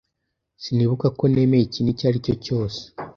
Sinibuka ko nemeye ikintu icyo ari cyo cyose.